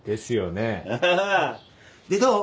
でどう？